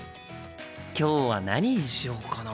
今日は何にしようかな？